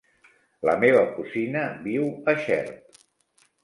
La meva cosina viu a Xert.